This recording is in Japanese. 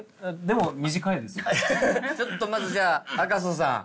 ちょっとまずじゃあ赤楚さん。